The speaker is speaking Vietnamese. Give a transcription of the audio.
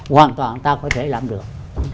hoàn toàn ta có thể làm được